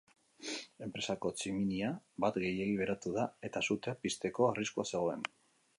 Enpresako tximinia bat gehiegi berotu da, eta sutea pizteko arriskua zegoen.